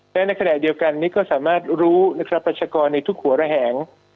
และในขณะเดียวกันนี้ก็สามารถรู้นะครับประชากรในทุกหัวระแหง